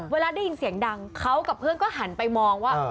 เวลาได้ยินเสียงดังเขากับเพื่อนก็หันไปมองว่า